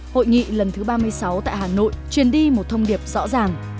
hội nghị lần thứ ba mươi sáu tại hà nội truyền đi một thông điệp rõ ràng